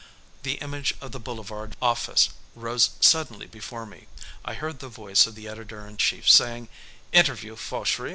The image of the Boulevard office rose suddenly before me. I heard the voice of the editor in chief saying, "Interview Fauchery?